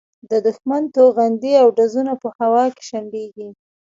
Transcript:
د دوښمن توغندي او ډرونونه په هوا کې شنډېږي.